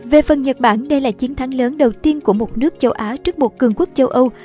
về phần nhật bản đây là chiến thắng lớn đầu tiên của một nước châu á trước một cường quốc châu âu